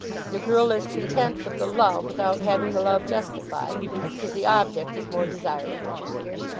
The girl is content with the love without having the love justified, because the object is more desirable.